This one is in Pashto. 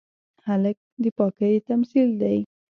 هلک د پاکۍ تمثیل دی.